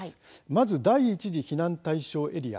まず第１次避難対象エリア